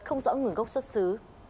không rõ ngưỡng gốc xuất xứ